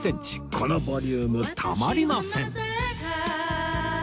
このボリュームたまりません